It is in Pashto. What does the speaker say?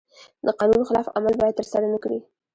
د قانون خلاف عمل باید ترسره نکړي.